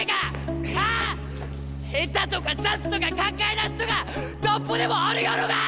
下手とか雑とか考えなしとかなんぼでもあるやろが！